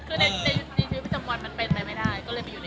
ในชีวิตผิดสมมติมันเป็นไปไม่ได้ก็เลยอีก